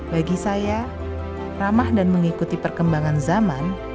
bagi saya ramah dan mengikuti perkembangan zaman